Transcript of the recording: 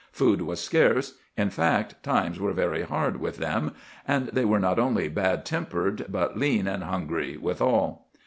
Food was scarce; in fact, times were very hard with them, and they were not only bad humored, but lean and hungry withal.